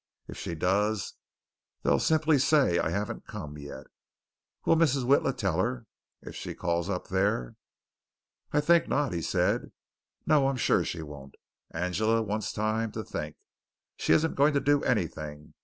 If she does, they'll simply say I haven't come yet. Will Mrs. Witla tell her, if she calls up there?" "I think not," he said. "No, I'm sure she won't. Angela wants time to think. She isn't going to do anything.